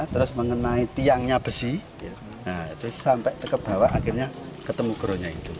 terus mengenai tiangnya besi sampai kebawa akhirnya ketemu geronya itu